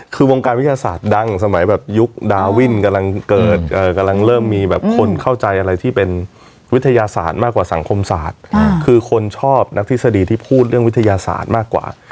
คือวงการวิทยาศาสตร์ดังสมัยแบบยุคดาวินกำลังเกิดกำลังเริ่มมีแบบคนเข้าใจอะไรที่เป็นวิทยาศาสตร์มากกว่าสังคมศาสตร์คือคนชอบนักทฤษฎีที่พูดเรื่องวิทยาศาสตร์มากกว่า